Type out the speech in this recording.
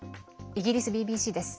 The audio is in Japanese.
イギリスＢＢＣです。